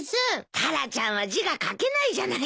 タラちゃんは字が書けないじゃないか。